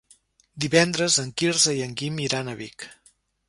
Divendres en Quirze i en Guim iran a Vic.